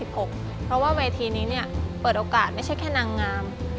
เพราะว่าเวทีนี้เปิดโอกาสไม่ใช่แค่นางงาม